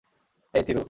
এই, থিরু!